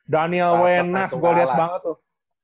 daniel wenas gua liat banget tuh